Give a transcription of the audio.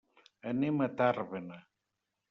Anem a Tàrbena.